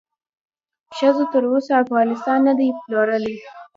ښځو تر اوسه افغانستان ندې پلورلی